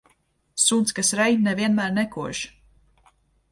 Suns, kas rej, ne vienmēr nekož.